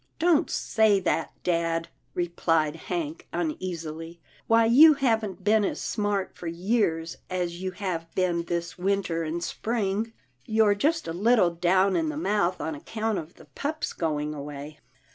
" Don't say that, dad/' replied Hank uneasily. " Why, you haven't been as smart for years as you have been this winter and spring. You're just a little down in the mouth on account of the pup's going away."